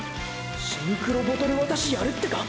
“シンクロボトル渡し”やるってか⁉